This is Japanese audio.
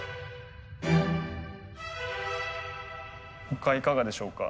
他いかがでしょうか？